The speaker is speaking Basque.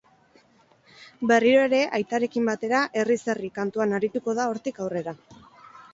Berriro ere aitarekin batera herriz-herri kantuan arituko da hortik aurrera.